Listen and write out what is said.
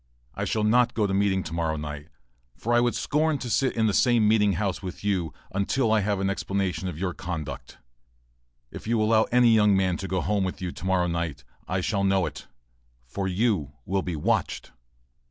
I shall not go to meeting to morrow, for I would scorn to sit in the same meeting house with you until I have an explanation of your conduct. If you allow any young man to go home with you to morrow night, I shall know it, for you will be watched.